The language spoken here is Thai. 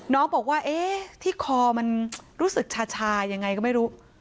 น้องบอกว่าเอ๊ะที่คอมันรู้สึกชายังไงก็ไม่รู้